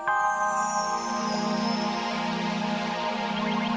sampai jumpa di video selanjutnya